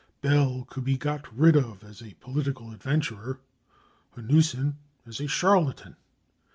Bell could be got rid of as a political adventurer, Hanussen as a charlatan.